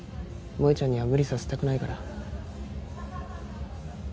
萌ちゃんには無理させたくないから。